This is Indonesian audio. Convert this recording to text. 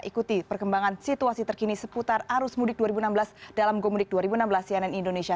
ikuti perkembangan situasi terkini seputar arus mudik dua ribu enam belas dalam gomudik dua ribu enam belas cnn indonesia